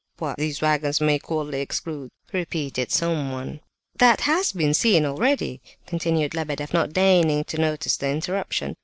"What, these waggons may coldly exclude?" repeated someone. "That has been seen already," continued Lebedeff, not deigning to notice the interruption.